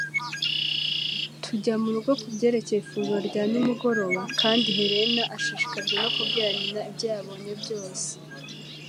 Tujya murugo kubyerekeye ifunguro rya nimugoroba, kandi Helen ashishikajwe no kubwira nyina ibyo yabonye byose.